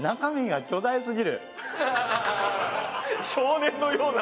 少年のような。